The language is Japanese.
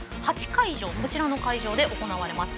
こちらの会場で行われます。